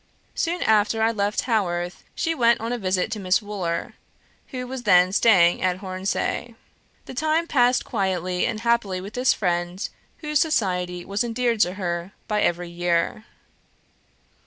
Soon after I left Haworth, she went on a visit to Miss Wooler, who was then staying at Hornsea. The time passed quietly and happily with this friend, whose society was endeared to her by every year.